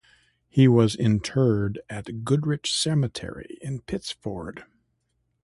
He was interred at Goodrich Cemetery in Pittsford.